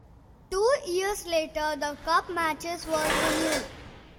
Two years later the cup matches were renewed.